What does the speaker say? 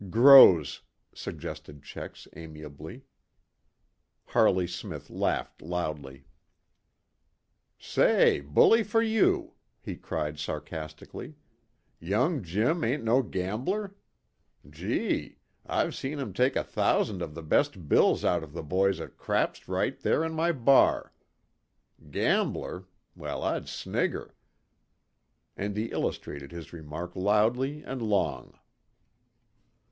"Grows," suggested Checks amiably. Harley Smith laughed loudly. "Say, bully for you," he cried sarcastically. "Young Jim ain't no gambler? Gee! I've see him take a thousand of the best bills out of the boys at 'craps' right there in my bar. Gambler? Well, I'd snigger!" And he illustrated his remark loudly and long.